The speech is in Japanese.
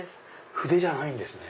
筆じゃないんですね。